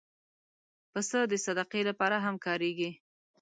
پسه د صدقې لپاره هم کارېږي.